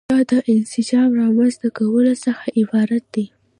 دا د انسجام د رامنځته کولو څخه عبارت دي.